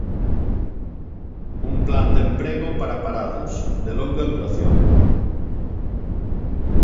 Un plan de emprego para parados de longa duración.